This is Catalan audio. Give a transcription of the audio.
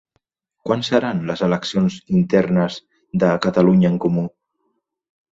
Quan seran les eleccions internes de Catalunya en Comú?